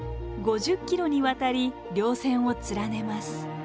５０ｋｍにわたり稜線を連ねます。